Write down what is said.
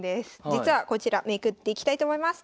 実はこちらめくっていきたいと思います。